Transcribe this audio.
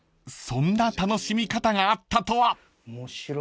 ［そんな楽しみ方があったとは］